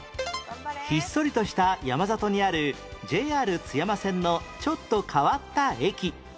ひっそりとした山里にある ＪＲ 津山線のちょっと変わった駅